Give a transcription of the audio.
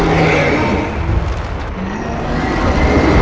aku harus menggunakan jurus dagak puspa